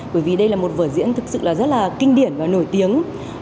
bởi vì đây là một vở diễn thật sự rất là kinh điển và nổi tiếng